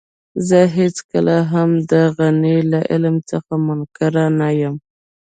زه هېڅکله هم د غني له علم څخه منکر نه يم.